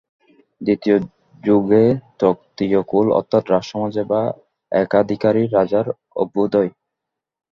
দ্বিতীয় যুগে ক্ষত্রিয়কুল অর্থাৎ রাজসমাজে বা একাধিকারী রাজার অভ্যুদয়।